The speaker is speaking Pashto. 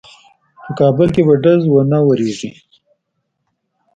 په کابل کې به ډز وانه وریږي.